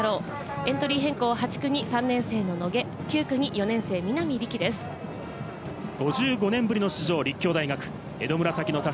エントリー変更、８区に３年生・野下、９区に４年生・南里樹です。